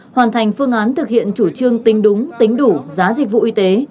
hoàn thành phương án thực hiện chủ trương tính đúng tính đủ giá dịch vụ y tế